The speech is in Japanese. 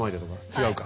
違うか。